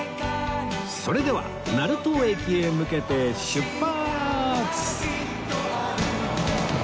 それでは成東駅へ向けて出発！